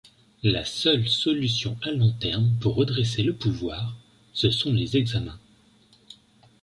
La seule solution à long terme pour redresser le pouvoir, ce sont les examens.